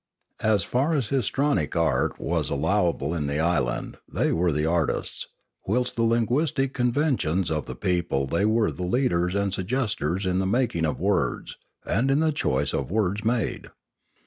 As far as histrionic art was allowable in the island they were the artists, whilst in the linguistic conventions of the people they were the leaders and suggesters in the making of words, and in the choice of words made.